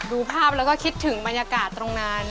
ดูภาพแล้วก็คิดถึงบรรยากาศตรงนั้น